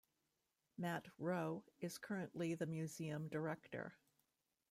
Matt Rowe is currently the museum director.